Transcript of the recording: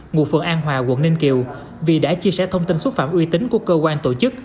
ngụ phường an hòa quận ninh kiều vì đã chia sẻ thông tin xúc phạm uy tín của cơ quan tổ chức